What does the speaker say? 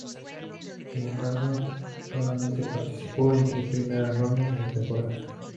Sin embargo, solamente participó en las tres primeras rondas de la temporada.